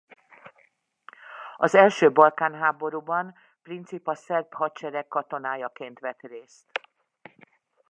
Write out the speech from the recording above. Az első Balkán-háborúban Princip a szerb hadsereg katonájaként vett részt.